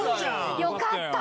よかった。